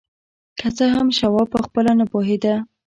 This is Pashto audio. که څه هم شواب پخپله نه پوهېده.